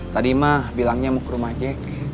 tadi mah bilangnya mau ke rumah aja